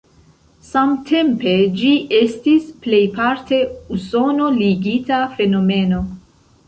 Samtempe ĝi estis plejparte usono-ligita fenomeno.